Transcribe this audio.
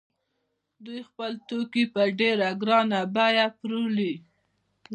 دوی خپل توکي په ډېره ګرانه بیه پلوري